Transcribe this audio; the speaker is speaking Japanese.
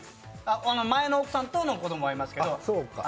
前の奥さんとの子供はいますけれども。